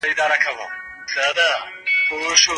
له وخت نه سمه استفاده کوه چي ژوند دي بې ګټي تېر نه سي .